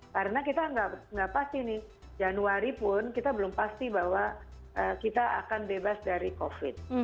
karena kita tidak pasti nih januari pun kita belum pasti bahwa kita akan bebas dari covid